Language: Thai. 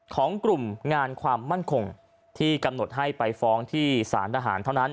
ของกลุ่มงานความมั่นคงที่กำหนดให้ไปฟ้องที่สารทหารเท่านั้น